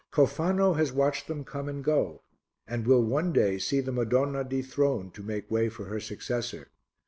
Cofano has watched them come and go and will one day see the Madonna dethroned to make way for her successor.